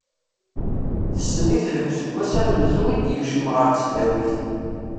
Tessen-it deg useggas amenzu i d-yekcem ɣer tesdawit.